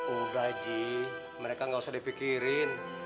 uga ji mereka gak usah dipikirin